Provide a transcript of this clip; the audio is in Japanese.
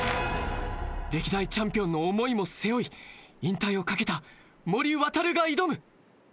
歴代チャンピオンの思いも背負い引退をかけた森渉が挑む！